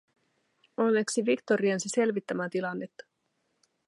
Onneksi Victor riensi selvittämään tilannetta: